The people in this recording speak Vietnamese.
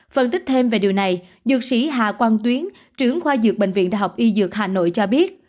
phân tích thêm về điều này dược sĩ hà quang tuyến trưởng khoa dược bệnh viện đại học y dược hà nội cho biết